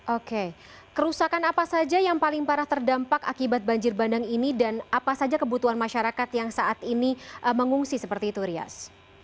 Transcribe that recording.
oke kerusakan apa saja yang paling parah terdampak akibat banjir bandang ini dan apa saja kebutuhan masyarakat yang saat ini mengungsi seperti itu rias